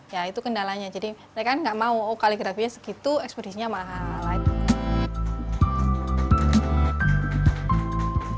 ya itu kendalanya jadi mereka kan gak mau kaligrafinya segitu ekspedisinya mahal